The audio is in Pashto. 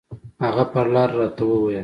هغه پر لاره راته وويل.